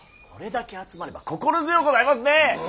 これだけ集まれば心強うございますね。